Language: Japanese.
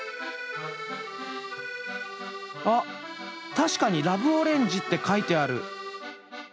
あっ確かに「ラブオレンジ」って書いてある。